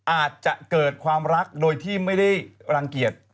อาจจะเกิดความรักโดยที่ไม่ได้รังเกียจ